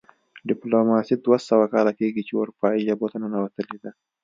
ډیپلوماسي دوه سوه کاله کیږي چې اروپايي ژبو ته ننوتلې ده